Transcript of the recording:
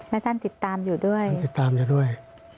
และท่านติดตามอยู่ด้วย